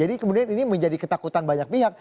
jadi kemudian ini menjadi ketakutan banyak pihak